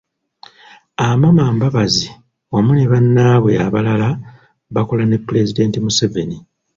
Amama Mbabazi wamu ne Bannaabwe abalala bakola ne Pulezidenti Museveni.